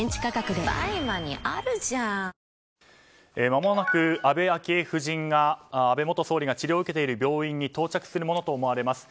まもなく安倍昭恵夫人が安倍元総理が治療を受けている病院に到着するものと思われます。